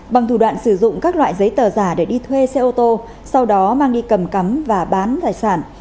bằng thủ đoạn sử dụng các loại giấy tờ giả để đi thuê xe ô tô sau đó mang đi cầm cắm và bán tài sản